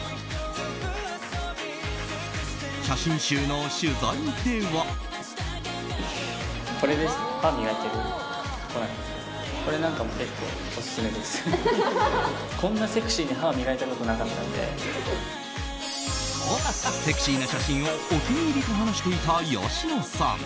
写真集の取材では。と、セクシーな写真をお気に入りと話していた吉野さん。